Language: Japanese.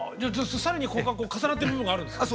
更に重なってる部分があるんですか？